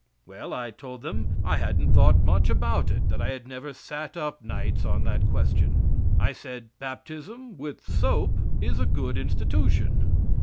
Well, I told them I hadn't thought much about it that I had never sat up nights on that question. I said: "Baptism with soap is a good institution."